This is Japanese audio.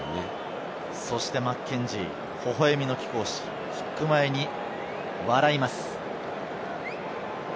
そしてマッケンジー、ほほえみの貴公子、キック前に笑います。